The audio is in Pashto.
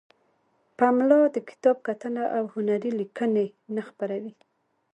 پملا د کتاب کتنه او هنری لیکنې نه خپروي.